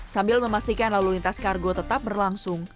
sambil memastikan lalu lintas kargo tetap berlangsung